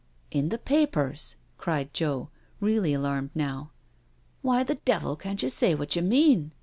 " In the papers?" cried Joe, really alarmed now. "Why the devil can't you say what you mean?"